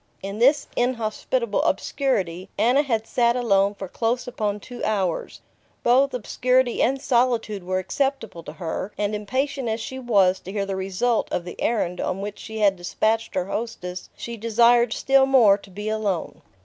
In this inhospitable obscurity Anna had sat alone for close upon two hours. Both obscurity and solitude were acceptable to her, and impatient as she was to hear the result of the errand on which she had despatched her hostess, she desired still more to be alone.